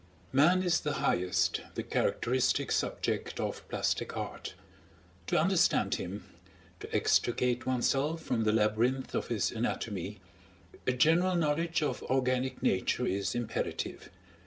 Man is the highest, the characteristic subject of plastic art; to understand him, to extricate oneself from the labyrinth of his anatomy, a general knowledge of organic nature is imperative.